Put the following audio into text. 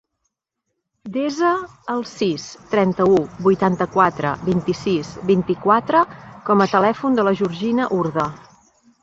Desa el sis, trenta-u, vuitanta-quatre, vint-i-sis, vint-i-quatre com a telèfon de la Georgina Urda.